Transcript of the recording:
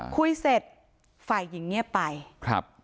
คุยเสร็จฝ่ายหญิงเงียบไปครับ